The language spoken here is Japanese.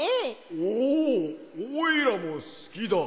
おおおいらもすきだ！